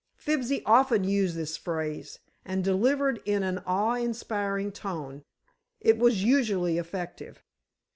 Fibsy often used this phrase, and, delivered in an awe inspiring tone, it was usually effective.